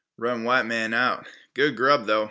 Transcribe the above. Run white man out. Good grub, though.